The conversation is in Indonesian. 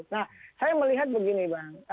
nah saya melihat begini bang